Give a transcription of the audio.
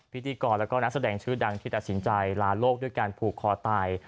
พิธีกรแล้วก็นักแสดงชื่อดังที่ตัดสินใจลาโลกด้วยการผูกคอตาย